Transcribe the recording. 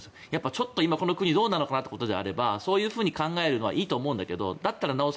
ちょっと今この国どうなのかなということであればそう考えるのはいいと思うんだけどだったらなお